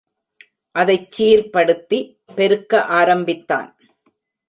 அதைச் சீர்படுத்தி, பெருக்க ஆரம்பித்தான்.